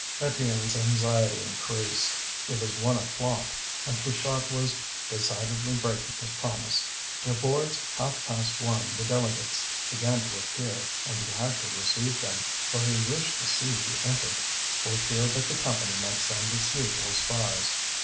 Étienne's anxiety increased. It was one o'clock, and Pluchart was decidedly breaking his promise. Towards half past one the delegates began to appear, and he had to receive them, for he wished to see who entered, for fear that the Company might send its usual spies.